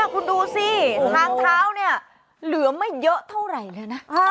คุณดูสิทางเท้าเนี่ยเหลือไม่เยอะเท่าไหร่เลยนะ